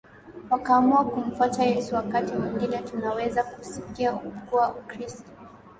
wakaamua kumfuata Yesu Wakati mwingine tunaweza kusikia kuwa Ukristo